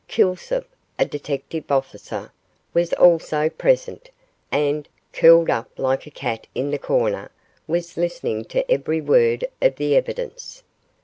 Kilsip, a detective officer, was also present, and, curled up like a cat in the corner, was listening to every word of the evidence.